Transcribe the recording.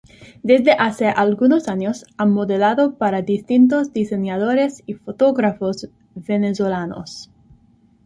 Desde hace algunos años, ha modelado para distintos diseñadores y fotógrafos venezolanos.